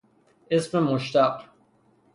اسم مشتق